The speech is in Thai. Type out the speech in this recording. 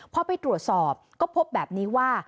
พอไปตรวจสอบก็พบแบบนี้ว่า